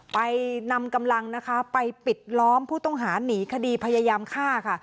ไปนำกำลังนะคะไปปิดล้อมผู้ต้องหาหนีคดีพยายามฆ่าค่ะ